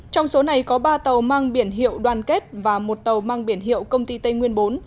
trong số này có ba tàu mang biển hiệu đoàn kết và một tàu mang biển hiệu công ty tây nguyên bốn